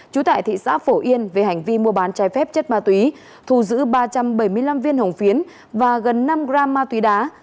trú tại thị xã phổ yên về hành vi mua bán trái phép chất ma túy thu giữ ba trăm bảy mươi năm viên hồng phiến và gần năm gram ma túy đá